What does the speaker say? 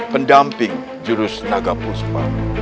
pendamping jurus naga puspa